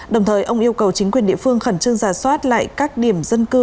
đồng thời ông yêu cầu chính quyền địa phương khẩn trương giả soát lại các điểm dân cư